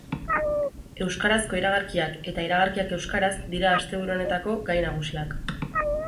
Euskarazko iragarkiak eta iragarkiak euskaraz dira asteburu honetako gai nagusiak.